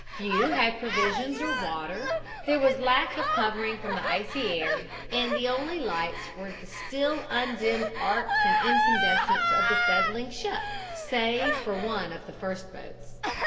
Few had provisions or water, there was lack of covering from the icy air, and the only lights were the still undimmed arcs and incandescents of the settling ship, save for one of the first boats.